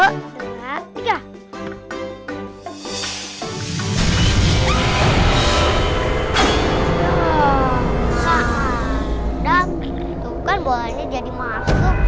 oh kak adam itu kan bolanya jadi masuk